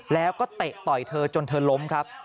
แล้วก็เตะต่อยเธอจนเธอล้มครับ